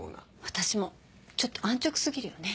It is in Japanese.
私もちょっと安直過ぎるよね。